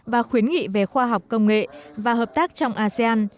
và khuyến nghị về khoa học công nghệ và hợp tác trong asean